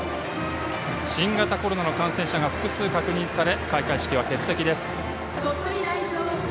新型コロナの感染者が複数確認され開会式は欠席です。